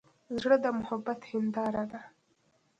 زړه د محبت هنداره ده.